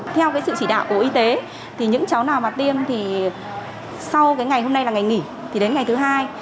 theo cái sự chỉ đạo của y tế thì những cháu nào mà tiêm thì sau cái ngày hôm nay là ngày nghỉ thì đến ngày thứ hai